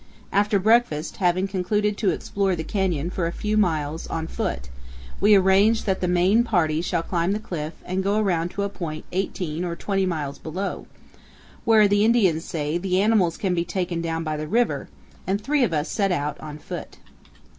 After breakfast, having concluded to explore the canyon for a i few miles on foot, we arrange that the main party shall climb the cliff and go around to a point 18 or 20 \ miles below, where, the Indians say, the animals can be taken down by the river, and three of us set out on, foot.